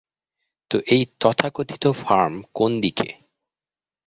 তো, এই তথাকথিত ফার্ম কোন দিকে?